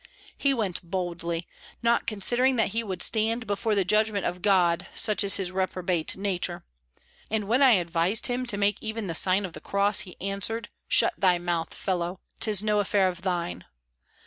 He went boldly, not considering that he would stand before the judgment of God, such is his reprobate nature. And when I advised him to make even the sign of the cross, he answered, 'Shut thy mouth, fellow; 'tis no affair of thine!'